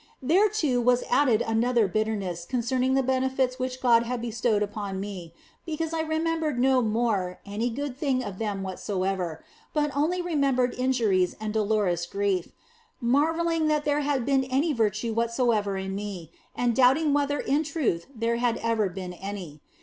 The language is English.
Thereto was added another bitterness concerning the benefits which God had bestowed upon me, because I remembered no more any good thing of them whatsoever, but only remembered injuries and 22 THE BLESSED ANGELA dolorous grief, marvelling that there had been any virtue whatsoever in me and doubting whether in truth there had ever been any.